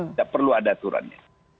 tidak perlu ada aturannya